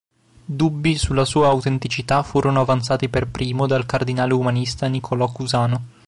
Dubbi sulla sua autenticità furono avanzati per primo dal cardinale umanista Nicolò Cusano.